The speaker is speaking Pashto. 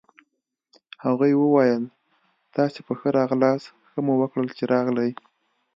هغوی وویل: تاسي په ښه راغلاست، ښه مو وکړل چي راغلئ.